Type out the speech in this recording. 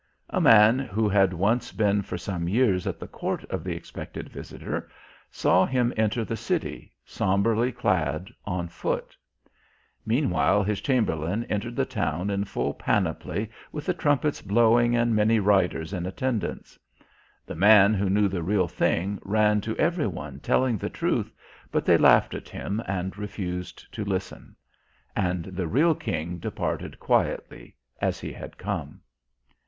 A man who had once been for some years at the court of the expected visitor saw him enter the city, sombrely clad, on foot. Meanwhile his Chamberlain entered the town in full panoply with the trumpets blowing and many riders in attendance. The man who knew the real thing ran to every one telling the truth, but they laughed at him and refused to listen. And the real king departed quietly as he had come.